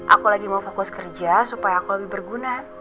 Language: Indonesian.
aku lagi mau fokus kerja supaya aku lebih berguna